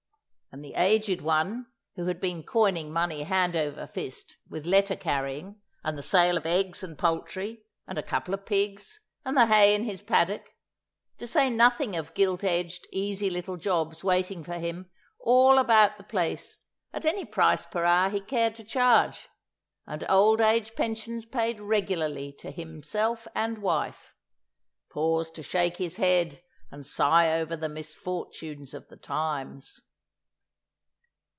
And the aged one—who had been coining money hand over fist, with letter carrying, and the sale of eggs and poultry, and a couple of pigs, and the hay in his paddock, to say nothing of gilt edged easy little jobs waiting for him all about the place at any price per hour he cared to charge, and old age pensions paid regularly to himself and wife—paused to shake his head and sigh over the misfortunes of the times.